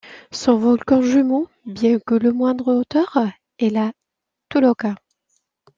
Son volcan jumeau, bien que de moindre hauteur, est le Tolhuaca.